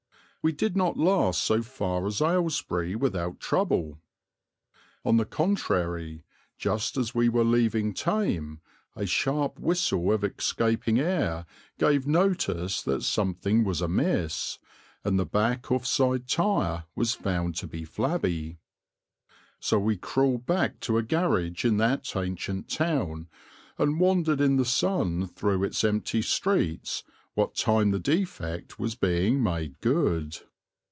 We did not last so far as Aylesbury without trouble. On the contrary, just as we were leaving Thame a sharp whistle of escaping air gave notice that something was amiss, and the back off side tire was found to be flabby. So we crawled back to a garage in that ancient town and wandered in the sun through its empty streets what time the defect was being made good.